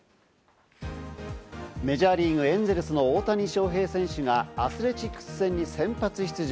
メジャーリーグ、エンゼルスの大谷翔平選手が、アスレチックス戦に先発出場。